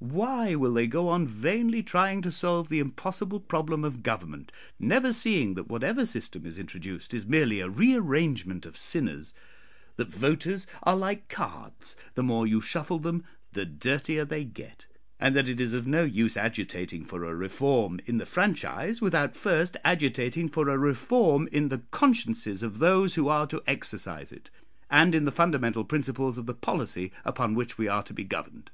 Why will they go on vainly trying to solve the impossible problem of Government, never seeing that whatever system is introduced is merely a rearrangement of sinners; that voters are like cards the more you shuffle them the dirtier they get; and that it is of no use agitating for a reform in the franchise without first agitating for a reform in the consciences of those who are to exercise it, and in the fundamental principles of the policy upon which we are to be governed.